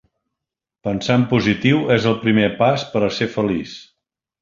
Pensar en positiu és el primer pas per a ser feliç